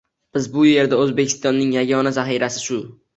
Biz bu yerda O‘zbekistonning yagona zaxirasi shu